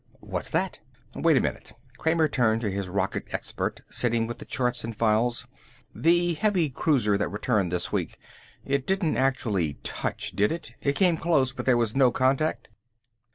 "What's that?" "Wait a minute." Kramer turned to his rocket expert, sitting with the charts and files. "The heavy cruiser that returned this week. It didn't actually touch, did it? It came close but there was no contact."